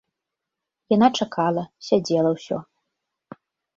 Яна чакала, сядзела ўсё.